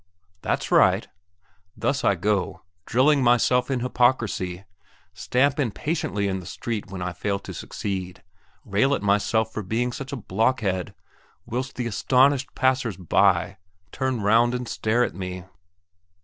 that's right. Thus I go, drilling myself in hypocrisy; stamp impatiently in the street when I fail to succeed; rail at myself for being such a blockhead, whilst the astonished passers by turn round and stare at me.